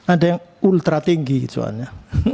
ada yang ultra tinggi soalnya